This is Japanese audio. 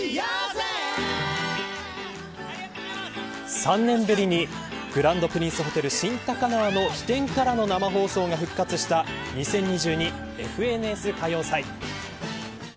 ３年ぶりにグランドプリンスホテル新高輪飛天からの生放送が復活した２０２２ＦＮＳ歌謡祭。